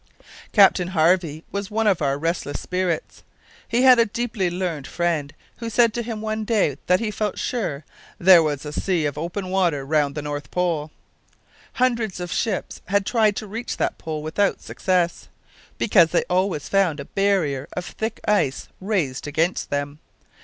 Captain Harvey was one of our restless spirits. He had a deeply learned friend who said to him one day that he felt sure "there was a sea of open water round the North Pole!" Hundreds of ships had tried to reach that pole without success, because they always found a barrier of thick ice raised against them.